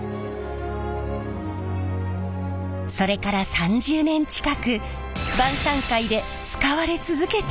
それから３０年近く晩さん会で使われ続けています。